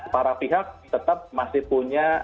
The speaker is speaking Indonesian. para pihak tetap masih punya